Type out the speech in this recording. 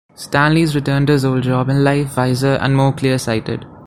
Stanley is returned to his old job and life, wiser and more clear-sighted.